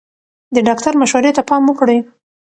د ډاکټر مشورې ته پام وکړئ.